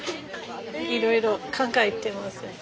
いろいろ考えてますね。